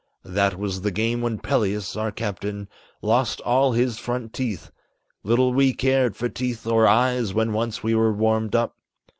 That was the game when Peleus, our captain, lost all his front teeth; Little we cared for teeth or eyes when once we were warmed up.